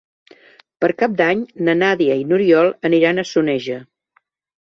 Per Cap d'Any na Nàdia i n'Oriol aniran a Soneja.